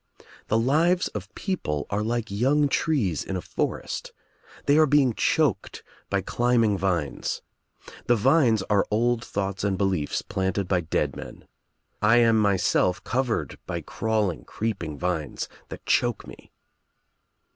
The lives of people are like young trees in a forest. They are being choked by climbing vines. The vines arc old thoughts and be liefs planted by dead men. I am myself covered by crawling creeping vines that choke me."